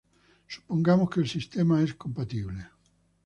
Supongamos que el sistema es compatible.